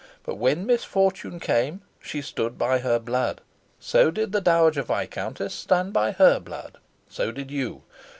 But when misfortune came, she stood by her blood: so did the Dowager Viscountess stand by her blood, so did you.